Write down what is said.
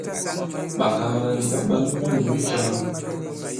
Ɓàkaala ndi ɓa ɓǎm minyǔ i fyāŋā.